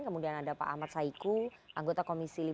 kemudian ada pak ahmad saiku anggota komisi lima